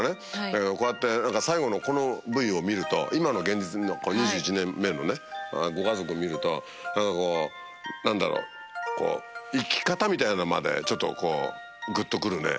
だけどこうやって最後のこのＶＴＲを見ると今の現実の２１年目のねご家族を見ると何かこう何だろう生き方みたいのまでちょっとグッと来るね。